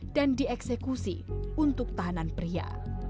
dan dieksekusi untuk tahanan pria